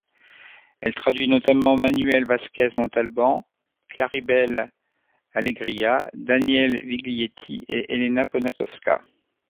Elle traduit notamment Manuel Vázquez Montalbán, Claribel Alegría, Daniel Viglietti et Elena Poniatowska.